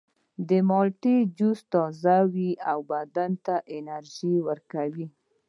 د مالټې جوس تازه وي او بدن ته انرژي ورکوي.